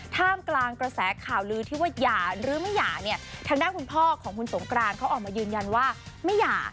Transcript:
ท่ามกลางกระแสข่าวลือที่ว่าหย่าหรือไม่หย่าเนี่ยทางด้านคุณพ่อของคุณสงกรานเขาออกมายืนยันว่าไม่หย่า